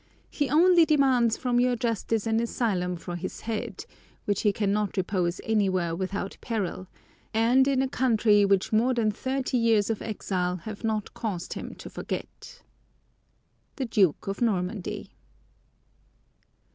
He only demands from your justice an asylum for his head which he cannot repose anywhere without peril and in a country which more than thirty years of exile have not caused him to forget. "THE DUKE OF NORMANDY."